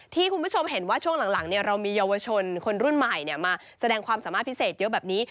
คุณผู้ชมเห็นว่าช่วงหลังเรามีเยาวชนคนรุ่นใหม่มาแสดงความสามารถพิเศษเยอะแบบนี้